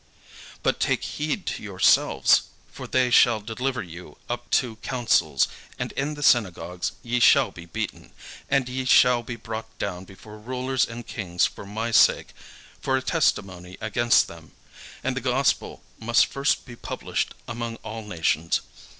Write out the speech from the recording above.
"But take heed to yourselves: for they shall deliver you up to councils; and in the synagogues ye shall be beaten: and ye shall be brought before rulers and kings for my sake, for a testimony against them. And the gospel must first be published among all nations.